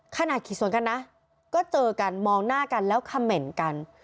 ขี่สวนกันนะก็เจอกันมองหน้ากันแล้วคำเหม็นกัน